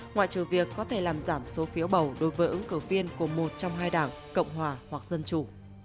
ngoại trừ việc có thể làm giảm số phiếu bầu đối với ứng cử viên của một trong hai đảng cộng hòa hoặc dân chủ